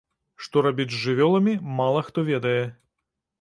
Што рабіць з жывёламі, мала хто ведае.